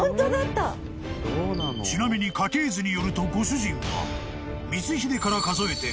［ちなみに家系図によるとご主人は光秀から数えて］